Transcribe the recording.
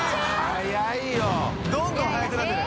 早いよ！